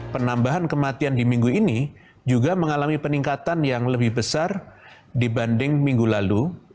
penambahan kematian di minggu ini juga mengalami peningkatan yang lebih besar dibanding minggu lalu